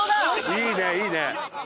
いいねいいね。